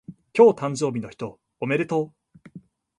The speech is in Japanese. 今日誕生日の人おめでとう